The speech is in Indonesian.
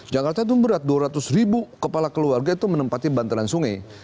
jakarta itu berat dua ratus ribu kepala keluarga itu menempati bantaran sungai